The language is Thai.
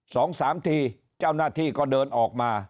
สองสามทีเจ้าหน้าที่ก็เดินออกมา